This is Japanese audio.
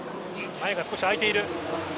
前が少し空いている。